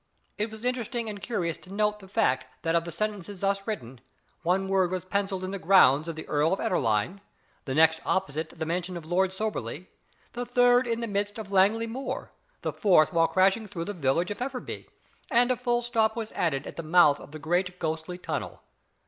It was interesting and curious to note the fact that of the sentences thus written, one word was pencilled in the grounds of the Earl of Edderline, the next opposite the mansion of Lord Soberly, the third in the midst of Langly Moor, the fourth while crashing through the village of Efferby, and a full stop was added at the mouth of the great Ghostly Tunnel.